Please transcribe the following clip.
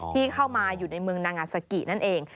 ที่เข้ามาอยู่ในเมืองนางาซากินั่นเอง